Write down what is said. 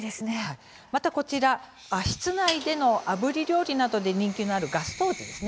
またこちらは室内でのあぶり料理などでも人気があるガストーチです。